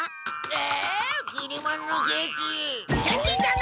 え？